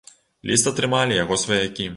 Ліст атрымалі яго сваякі.